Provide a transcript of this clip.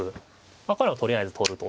まあこれはとりあえず取ると。